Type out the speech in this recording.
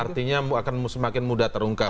artinya akan semakin mudah terungkap